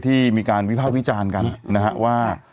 ที่มีการวิภาควิจารณ์กันนะฮะว่า